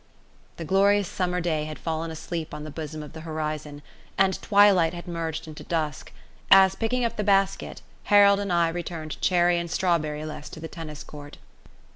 The glorious summer day had fallen asleep on the bosom of the horizon, and twilight had merged into dusk, as, picking up the basket, Harold and I returned cherry and strawberry less to the tennis court.